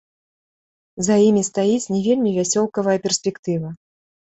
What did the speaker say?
За імі стаіць не вельмі вясёлкавая перспектыва.